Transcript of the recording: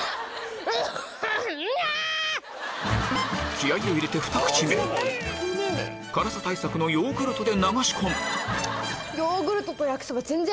気合を入れて２口目辛さ対策のヨーグルトで流し込む